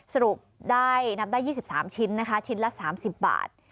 สรุปได้นับได้๒๓ชิ้นนะคะชิ้นละ๓๐บาท